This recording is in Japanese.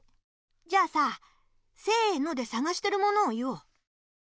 じゃあさせのでさがしてるものを言おう。